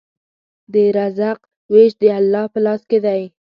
د رزق وېش د الله په لاس کې دی.